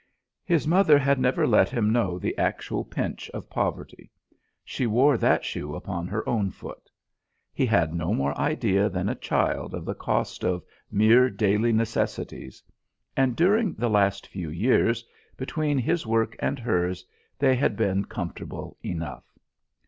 His mother had never let him know the actual pinch of poverty; she wore that shoe upon her own foot. He had no more idea than a child of the cost of mere daily necessities; and during the last few years, between his work and hers, they had been comfortable enough.